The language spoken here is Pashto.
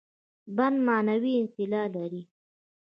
بنده معنوي اعتلا لري.